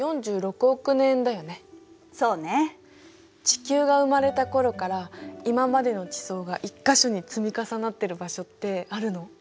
地球が生まれた頃から今までの地層が一か所に積み重なってる場所ってあるの？